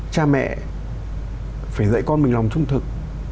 cha mẹ phải dạy con mình lòng trung thực